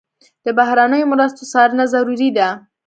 د بهرنیو مرستو څارنه ضروري ده.